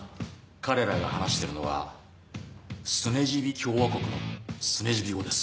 彼らが話してるのはスネジビ共和国のスネジビ語です。